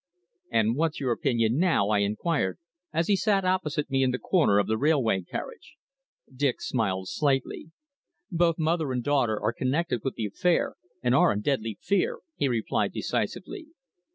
"And what's your opinion now?" I inquired, as he sat opposite me in the corner of the railway carriage. Dick smiled slightly. "Both mother and daughter are connected with the affair, and are in deadly fear," he replied decisively.